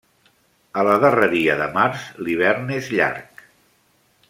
A la darreria de març, l'hivern és llarg.